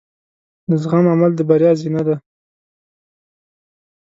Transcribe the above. د زغم عمل د بریا زینه ده.